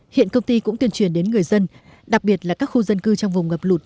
hiện công ty cũng tuyên truyền đến người dân đặc biệt là các khu dân cư trong vùng ngập lụt